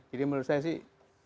jadi menurut saya sih